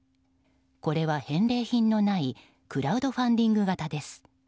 これは返礼品のないクラウドファンディング型です。